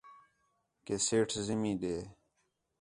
کہ سیٹھ زمین ݙے